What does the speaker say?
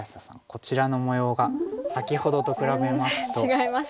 こちらの模様が先ほどと比べますとスケールが。